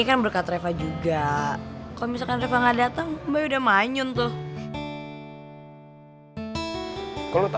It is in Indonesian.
sampai jumpa di video selanjutnya